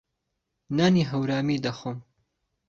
نانی هەورامی دەخۆم.